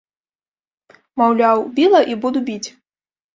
Маўляў, біла і буду біць.